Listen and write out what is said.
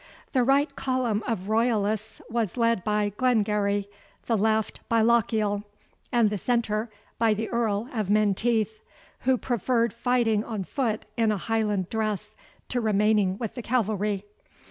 The right column of Royalists was led by Glengarry, the left by Lochiel, and the centre by the Earl of Menteith, who preferred fighting on foot in a Highland dress to remaining with the cavalry.